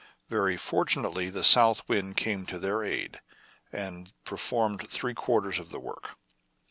Very fortunately the south wind came to their aid, and performed three quarters of the work.